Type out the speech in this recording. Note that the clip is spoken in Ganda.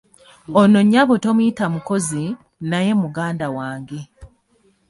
Ono nnyabo tomuyita mukozi , naye muganda wange.